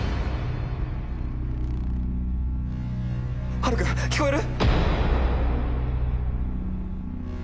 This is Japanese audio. ハル君聞こえる！？